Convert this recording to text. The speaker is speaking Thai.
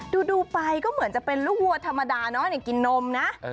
ดูไปก็เหมือนจะเป็นลูกวัวธรรมดาเนอะกินนมนะ